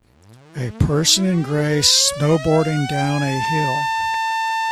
A person in gray snowboarding down a hill